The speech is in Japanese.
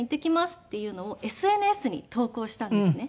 っていうのをＳＮＳに投稿したんですね。